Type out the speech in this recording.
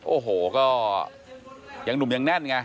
โอ้โหก็ยังหนุ่มยังแน่นไง